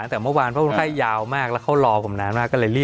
ตั้งแต่เมื่อวานเพราะว่าคุณไข้ยาวมาก